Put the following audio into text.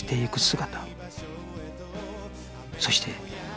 そして